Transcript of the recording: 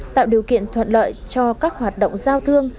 tạo điều kiện thuận lợi cho các hoạt động giao thương